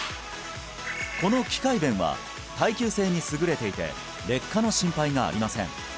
この機械弁は耐久性に優れていて劣化の心配がありません